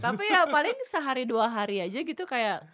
tapi ya paling sehari dua hari aja gitu kayak